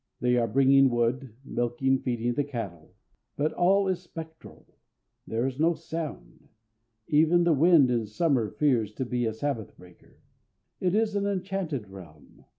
They are bringing wood, milking, feeding the cattle. But all is spectral. There is no sound. Even the wind in summer fears to be a Sabbath breaker. It is an enchanted realm.